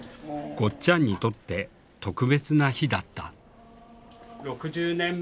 ゴッちゃんにとって特別な日だった。